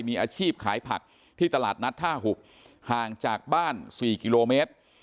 มีอาชีพขายผักที่ตลาดนัดท่าหุบห่างจากบ้าน๔กิโลเมตร